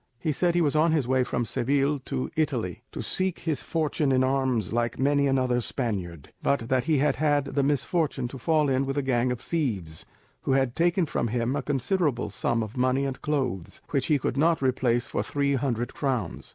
He said he was on his way from Seville to Italy, to seek his fortune in arms like many another Spaniard; but that he had had the misfortune to fall in with a gang of thieves, who had taken from him a considerable sum of money and clothes, which he could not replace for three hundred crowns.